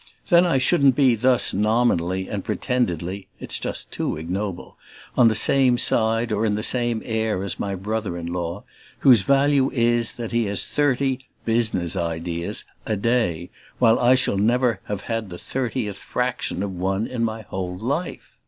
Then I shouldn't be thus nominally and pretendedly (it's too ignoble!) on the same side or in the same air as my brother in law; whose value is that he has thirty "business ideas" a day, while I shall never have had the thirtieth fraction of one in my whole life.